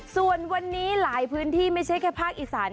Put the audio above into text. ส่วนวันนี้หลายพื้นที่ไม่ใช่แค่ภาคอีสาน